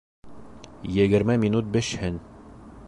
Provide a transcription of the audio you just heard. Егерме минут бешһен